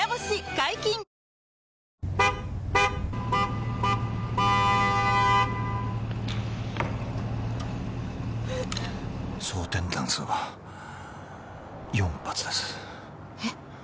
解禁‼装填弾数は４発ですえっ？